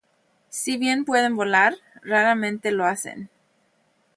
Si bien pueden volar, raramente lo hacen.